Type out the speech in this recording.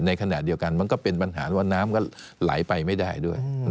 ในขณะเดียวกันมันก็เป็นปัญหาว่าน้ำก็ไหลไปไม่ได้ด้วย